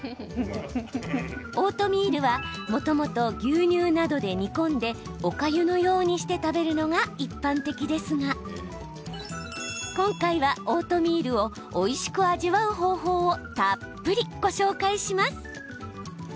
オートミールはもともと牛乳などで煮込んでおかゆのようにして食べるのが一般的ですが今回はオートミールをおいしく味わう方法をたっぷりご紹介します。